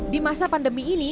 di masa pandemi ini